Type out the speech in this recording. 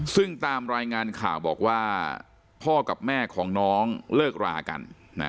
ซึ่งตามรายงานข่าวบอกว่าพ่อกับแม่ของน้องเลิกรากัน